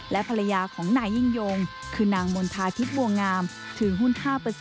และภรรยาของนายยิ่งยงคือนางมณฑาทิพย์บัวงามถือหุ้น๕